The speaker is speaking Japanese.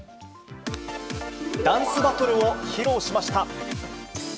ダンスバトルを披露しました。